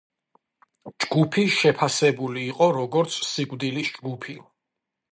ჯგუფი შეფასებული იყო როგორც, „სიკვდილის ჯგუფი“.